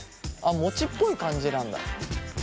餅っぽい感じなんだ。